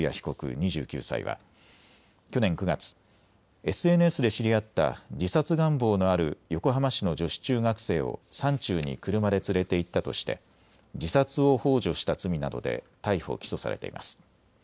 ２９歳は、去年９月、ＳＮＳで知り合った自殺願望のある横浜市の女子中学生を山中に車で連れていったとして自殺をほう助した罪などで逮捕・起訴されています。